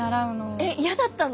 えっやだったの？